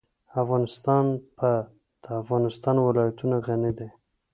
افغانستان په د افغانستان ولايتونه غني دی.